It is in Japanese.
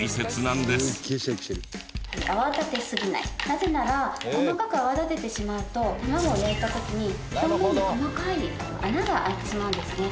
なぜなら細かく泡立ててしまうと卵を焼いた時に表面に細かい穴が開いてしまうんですね。